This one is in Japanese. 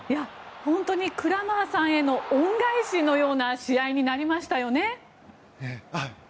本当にクラマーさんへの恩返しのような試合になりましたよね。